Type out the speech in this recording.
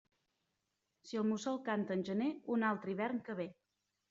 Si el mussol canta en gener, un altre hivern que ve.